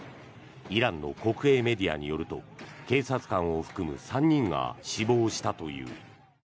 イランの国営メディアによると警察官を含む３人が死亡したという。